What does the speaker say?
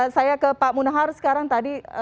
saya ke pak munahar sekarang tadi